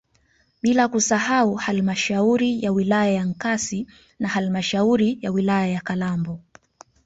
bila kusahau halmashauri ya wilaya ya Nkasi na halmashauri ya wilaya ya Kalambo